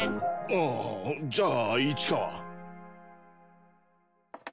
ああじゃあ市川。